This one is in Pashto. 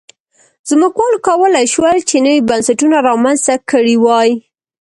ځمکوالو کولای شول چې نوي بنسټونه رامنځته کړي وای.